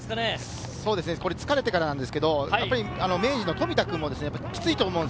これ、疲れてからなんですけれども、明治の富田君もきついと思うんです。